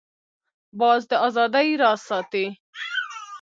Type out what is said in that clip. باز د آزادۍ راز ساتي